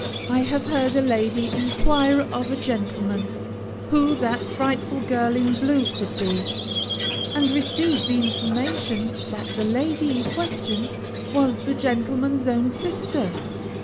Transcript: I have heard a lady inquire of a gentleman, "who that frightful girl in blue could be," and receive the information that the lady in question was the gentleman's own sister.